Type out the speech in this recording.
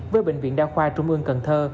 với bệnh viện đa khoa trung ương cần thơ